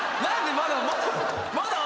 まだ。